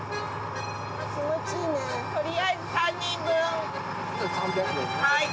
気持ちいいね。